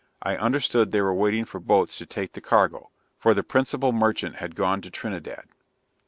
I understood they were waiting for boats to take the cargo; for the principal merchant had gone to Trinidad.